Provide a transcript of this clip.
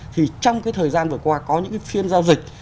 thì trong cái thời gian vừa qua có những cái phiên giao dịch